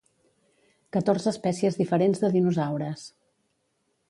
Catorze espècies diferents de dinosaures.